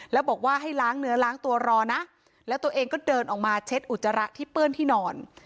แล้วบอกว่าให้ล้างเนื้อล้างตัวรอนะแล้วตัวเองก็เดินออกมาเช็ดอุจจาระที่เปื้อนที่นอน